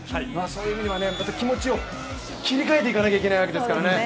そういう意味ではまた気持ちを切り替えていかなきゃいけないわけですからね。